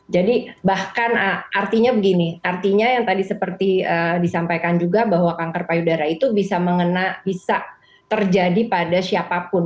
jadi bahkan artinya begini artinya yang tadi seperti disampaikan juga bahwa kanker payudara itu bisa mengena bisa terjadi pada siapapun